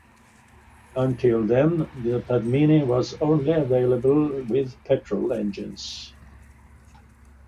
Until then, the Padmini was only available with petrol engines.